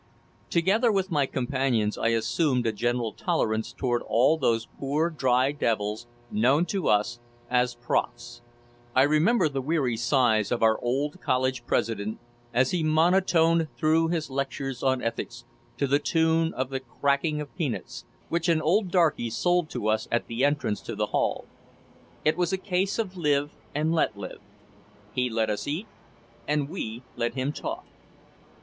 Together with my companions I assumed a genial tolerance toward all those poor dry devils known to us as "profs." I remember the weary sighs of our old college president as he monotoned through his lectures on ethics to the tune of the cracking of peanuts, which an old darky sold to us at the entrance to the hall. It was a case of live and let live. He let us eat and we let him talk.